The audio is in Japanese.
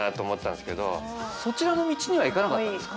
そちらの道には行かなかったんですか？